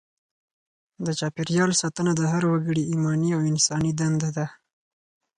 د چاپیریال ساتنه د هر وګړي ایماني او انساني دنده ده.